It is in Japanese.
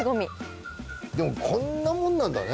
でもこんなもんなんだね。